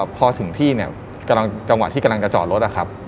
พอถึงที่จังหวะที่กำลังจะจอดรถ